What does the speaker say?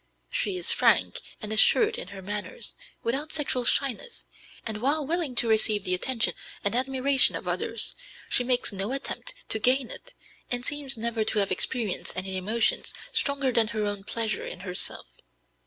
She is frank and assured in her manners, without sexual shyness, and, while willing to receive the attention and admiration of others, she makes no attempt to gain it, and seems never to have experienced any emotions stronger than her own pleasure in herself.